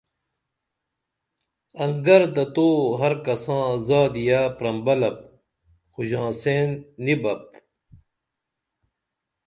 انگر تہ تو ہر کساں زادیہ پرمبلپ خو ژانسین نی بپ